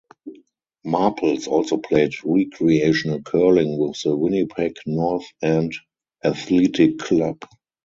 Marples also played recreational curling with the Winnipeg North End Athletic Club.